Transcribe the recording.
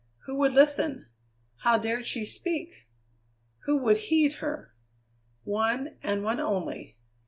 Who would listen? How dared she speak! Who would heed her? One, and one only.